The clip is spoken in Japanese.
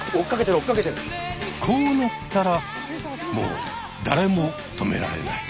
こうなったらもうだれも止められない。